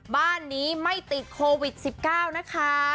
บ้านนี้ไม่ติดโควิด๑๙นะคะ